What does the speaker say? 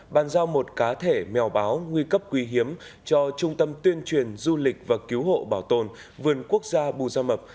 bàn giao một cá thể mèo báo nguy cấp quý hiếm cho trung tâm tuyên truyền du lịch và cứu hộ bảo tồn vườn quốc gia bù gia mập